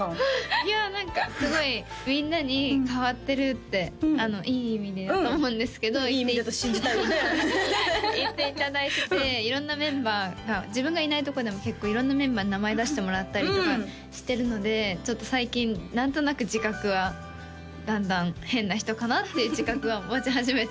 いや何かすごいみんなに変わってるっていい意味でだと思うんですけどいい意味だと信じたいよね言っていただいてて色んなメンバーが自分がいないとこでも結構色んなメンバーに名前出してもらったりとかしてるのでちょっと最近何となく自覚はだんだん変な人かなっていう自覚は持ち始めてます